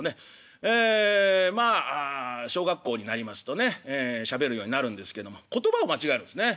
ええまあ小学校になりますとねしゃべるようになるんですけども言葉を間違えるんですね。